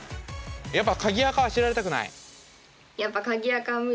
やっぱ鍵アカは知られたくない？